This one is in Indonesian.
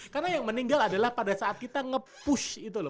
karena yang meninggal adalah pada saat kita nge push itu loh